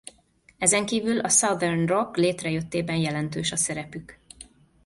Ezenkívül a southern rock létrejöttében jelentős a szerepük.